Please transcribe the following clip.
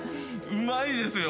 うまいですよ。